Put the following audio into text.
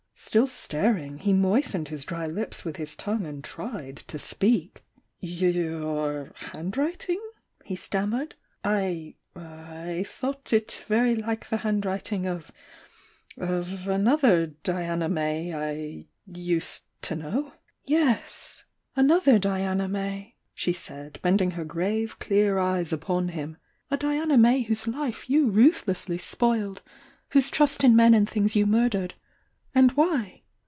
.,.• Still staring, he moistened his dry lips with his tongue and tried to speak. "Your handwriting?" he stammered— "I —I thou^t it very like the handwriting of— of another Diana May I used to know " "Yes— another Diana May," she said, bending her grave clear eyes upon him— "A Diana May whose 3SS THE YOUNG DIANA 859 life you ruthlessly spoiled, — whose trust in men and things you murdered — and why